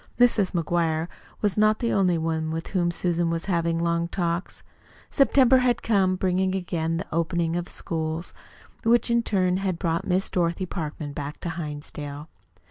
Mrs. McGuire was not the only one with whom Susan was having long talks. September had come bringing again the opening of the schools, which in turn had brought Miss Dorothy Parkman back to Hinsdale.